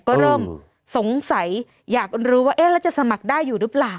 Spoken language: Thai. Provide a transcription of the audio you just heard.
ก็เริ่มสงสัยอยากรู้ว่าเอ๊ะแล้วจะสมัครได้อยู่หรือเปล่า